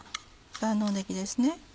万能ねぎですね。